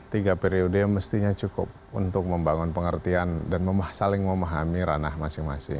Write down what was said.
tiga periode mestinya cukup untuk membangun pengertian dan saling memahami ranah masing masing